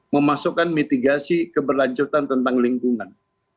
memasukkan mitigasi keberlanjutan tentang lingkungan